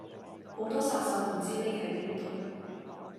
好多殺手唔知匿喺邊度